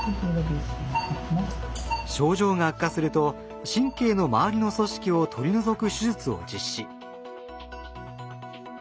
症状が悪化すると神経の周りの組織を取り除く手術を実施。